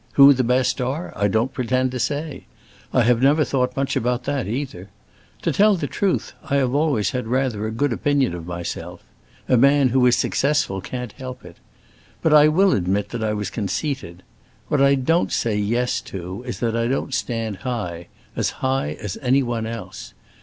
Who the best are, I don't pretend to say. I have never thought much about that either. To tell the truth, I have always had rather a good opinion of myself; a man who is successful can't help it. But I will admit that I was conceited. What I don't say yes to is that I don't stand high—as high as anyone else.